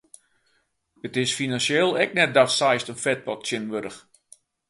It is finansjeel ek net datst seist in fetpot tsjinwurdich.